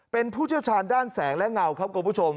เป็นผู้เชี่ยวชาญด้านแสงและเงาครับคุณผู้ชม